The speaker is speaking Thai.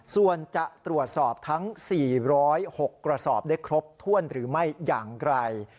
ส่วนจะตรวจสอบทั้ง๔๐๖กระสอบได้ครบถ้วนหรือไม่อย่างไร